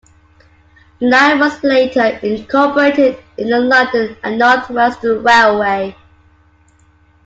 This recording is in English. The line was later incorporated in the London and North Western Railway.